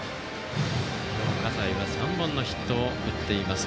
笠井は今日、３本のヒットを打っています。